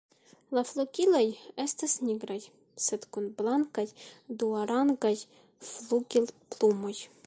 La flugiloj estas nigraj sed kun blankaj duarangaj flugilplumoj.